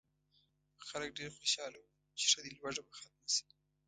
خلک ډېر خوشاله وو چې ښه دی لوږه به ختمه شي.